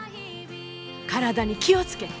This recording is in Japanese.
体に気を付けて。